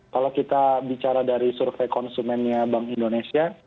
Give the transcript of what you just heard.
kalau kita bicara dari survei konsumennya bank indonesia